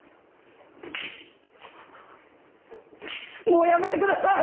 もうやめて下さい！